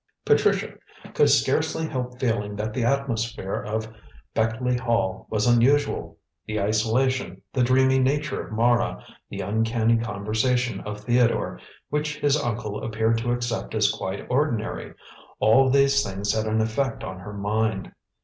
Patricia could scarcely help feeling that the atmosphere of Beckleigh Hall was unusual. The isolation, the dreamy nature of Mara, the uncanny conversation of Theodore, which his uncle appeared to accept as quite ordinary all these things had an effect on her mind.